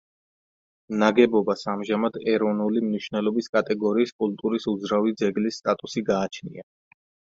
ნაგებობას ამჟამად ეროვნული მნიშვნელობის კატეგორიის კულტურის უძრავი ძეგლის სტატუსი გააჩნია.